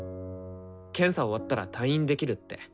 検査終わったら退院できるって。